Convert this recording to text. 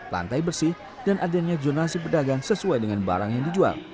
lantai bersih dan adanya zonasi pedagang sesuai dengan barang yang dijual